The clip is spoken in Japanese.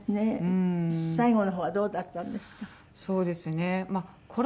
最後の方はどうだったんですか？